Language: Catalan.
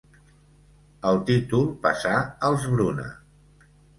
El títol passà als Bruna.